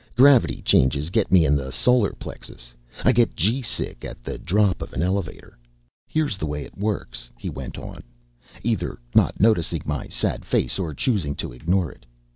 Gravity changes get me in the solar plexus. I get g sick at the drop of an elevator. "Here's the way it works," he went on, either not noticing my sad face or choosing to ignore it.